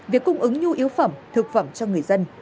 việc cung ứng nhu yếu phẩm thực phẩm cho người dân